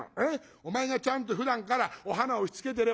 お前がちゃんとふだんからお花をしつけてれば」。